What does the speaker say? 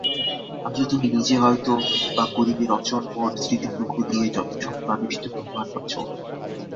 আজো তুমি নিজে হয়তো-বা করিবে রচন মোর স্মৃতিটুকু দিয়ে স্বপ্নাবিষ্ট তোমার বচন।